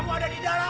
anakku lahir selamat